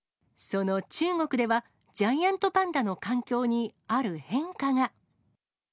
その中国では、ジャイアントパンダの環境にある変化が。